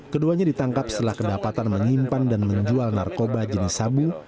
keduanya ditangkap setelah kedapatan menyimpan dan menjual narkoba jenis sabu